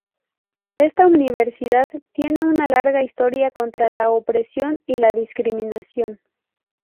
Esta universidad tiene una larga historia contra la opresión y la discriminación.